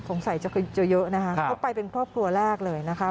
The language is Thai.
สงสัยจะเยอะนะครับเขาไปเป็นครอบครัวแรกเลยนะครับ